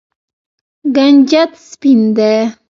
کنجد سپین دي.